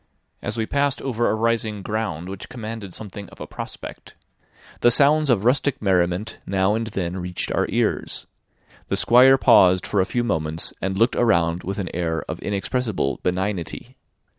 As we passed over a rising ground which commanded something of a prospect, the sounds of rustic merriment now and then reached our ears; the Squire paused for a few moments, and looked around with an air of inexpressible benignity.